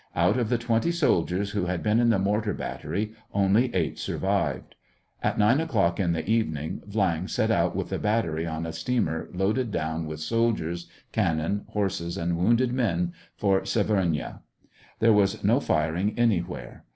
Out of the twenty soldiers who had been in the mortar battery, only eight survived. At nine o'clock in the evening, Viang set out with the battery on a steamer loaded down with soldiers, cannon, horses, and wounded men, for Severnaya. There was no firing anywhere.